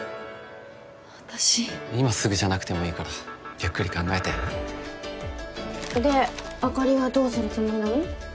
私今すぐじゃなくてもいいからゆっくり考えてであかりはどうするつもりなの？